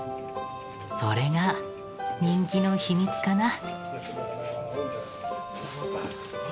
それが人気の秘密かな？